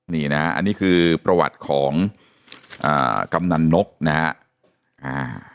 นี่นะฮะอันนี้คือประวัติของอ่ากำนันนกนะฮะอ่า